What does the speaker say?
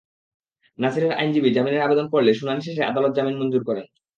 নাছিরের আইনজীবী জামিনের আবেদন করলে শুনানি শেষে আদালত জামিন মঞ্জুর করেন।